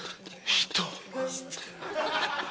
人。